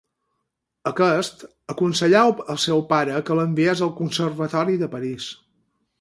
Aquest, aconsellà al seu pare que l'enviés al Conservatori de París.